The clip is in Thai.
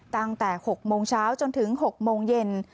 ตั้งแต่๖โมงเช้าจนถึง๖โมงเย็น